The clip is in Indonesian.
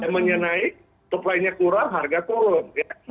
demandnya naik supply nya kurang harga turun